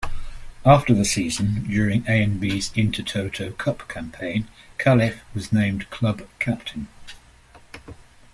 After the season, during AaB's Intertoto Cup campaign, Califf was named club captain.